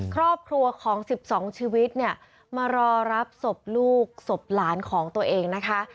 ครอบครัวของ๑๒ชีวิตเนี่ยมารอรับศพลูกศพหลานของตัวเองนะคะ